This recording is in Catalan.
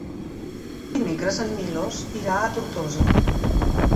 Dimecres en Milos irà a Tortosa.